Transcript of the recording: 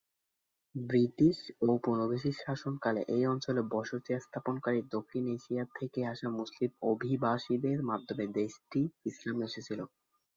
British ঔপনিবেশিক শাসনকালে এই অঞ্চলে বসতি স্থাপনকারী দক্ষিণ এশিয়া থেকে আসা মুসলিম অভিবাসীদের মাধ্যমে দেশটি ইসলাম এসেছিল।